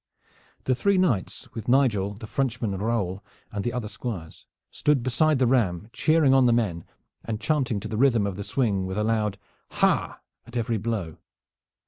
The three knights, with Nigel, the Frenchman Raoul and the other squires, stood beside the ram, cheering on the men, and chanting to the rhythm of the swing with a loud "Ha!" at every blow.